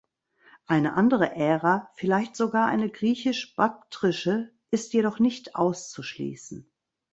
Eine andere Ära, vielleicht sogar eine griechisch-baktrische ist jedoch nicht auszuschließen.